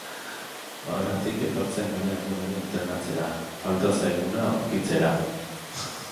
Horregatik etortzen gara egunero entrenatzera, falta zaiguna aurkitzera.